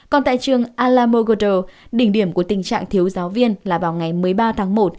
còn tại trường alamogle đỉnh điểm của tình trạng thiếu giáo viên là vào ngày một mươi ba tháng một